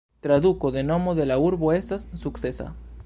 Traduko de nomo de la urbo estas "sukcesa".